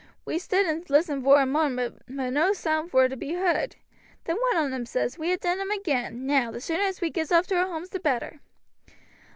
We stood and listened vor a moment, but no sound war to be heard. Then one on em says, 'We ha' done 'em agin. Now the sooner as we gets off to our homes the better.'